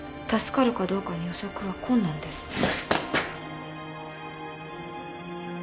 助かるかどうかの予測は困難です。